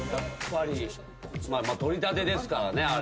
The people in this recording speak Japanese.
まあ取り立てですからね。